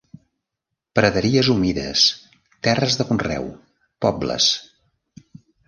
Praderies humides, terres de conreu, pobles.